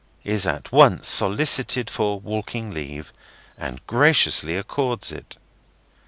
is at once solicited for walking leave, and graciously accords it.